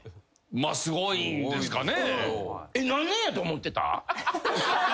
まあすごいんですかね。